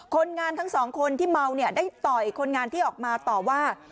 คนงานทั้งสองคนที่เมาเนี่ยได้ต่อยคนงานที่ออกมาต่อว่า